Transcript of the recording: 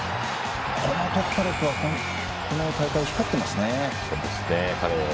この突破力はこの大会、光ってますね。